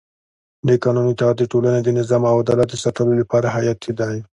د قانون اطاعت د ټولنې د نظم او عدالت د ساتلو لپاره حیاتي دی